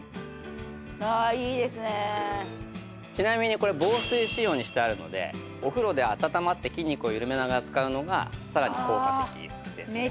ちなみにこれ防水仕様にしてあるのでお風呂で温まって筋肉を緩めながら使うのがさらに効果的ですね。